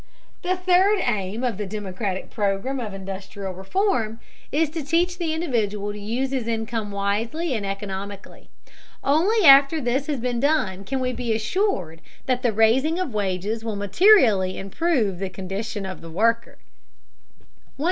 The third aim of the democratic program of industrial reform is to teach the individual to use his income wisely and economically. Only after this has been done can we be assured that the raising of wages will materially improve the condition of the worker. 180.